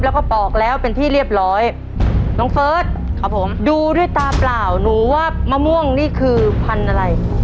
แล้วก็ปอกแล้วเป็นที่เรียบร้อยน้องเฟิร์สครับผมดูด้วยตาเปล่าหนูว่ามะม่วงนี่คือพันธุ์อะไร